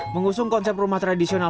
mengusung konsep rumah tradisional